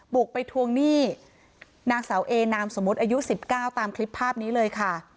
บุกไปทวงหนี้นางสาวเอนามสมมุติอายุ๑๙ตามคลิปภาพนี้เลยค่ะ